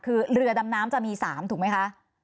คือเรือดำน้ำจะมี๓ถูกไหมคะ